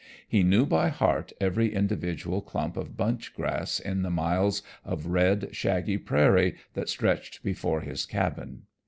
He knew by heart every individual clump of bunch grass in the miles of red shaggy prairie that stretched before his cabin.